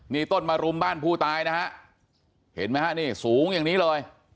นี่ต้นมารุมบ้านผู้ตายนะฮะเห็นไหมฮะนี่สูงอย่างนี้เลย